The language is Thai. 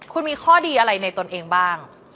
คุณมีข้อดีอะไรในตนเองบ้าง